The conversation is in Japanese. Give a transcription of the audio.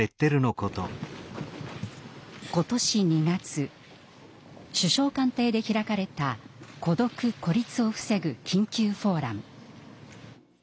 今年２月首相官邸で開かれた孤独・孤立を防ぐ緊急フォーラム。